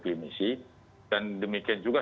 klinisi dan demikian juga